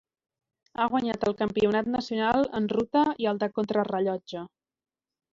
Ha guanyat el Campionat nacional en ruta i el de contrarellotge.